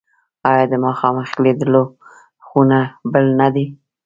آیا د مخامخ لیدلو خوند بل نه دی؟